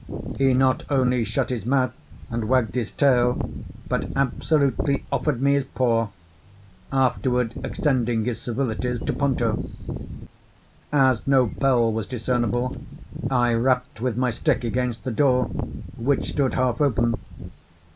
He not only shut his mouth and wagged his tail, but absolutely offered me his paw—afterward extending his civilities to Ponto. As no bell was discernible, I rapped with my stick against the door, which stood half open.